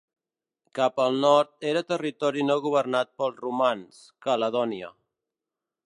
Cap al nord era territori no governat pels romans, Caledònia.